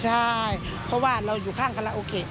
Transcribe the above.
ใช่เพราะว่าเราอยู่ข้างคาราโอเกะ